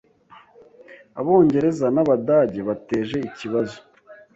Abongereza n'Abadage bateje ikibazo